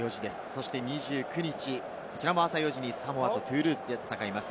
そして２９日、こちらも朝４時にサモアとトゥールーズで戦います。